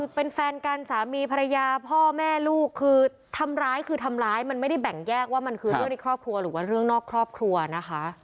เป็นแฟนกันสามีภรรยาพ่อแม่ลูกคือทำร้ายคือทำร้ายมันไม่ได้แบ่งแยกว่ามันคือเรื่องในครอบครัวหรือว่าเรื่องนอกครอบครัวนะคะ